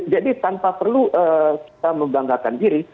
jadi tanpa perlu kita membanggakan diri